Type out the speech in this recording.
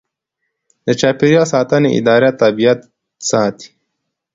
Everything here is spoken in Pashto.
د چاپیریال ساتنې اداره طبیعت ساتي